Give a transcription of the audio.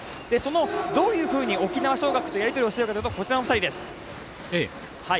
どういうふうに沖縄尚学とやり取りをしているのかといいますとこちらの２人です。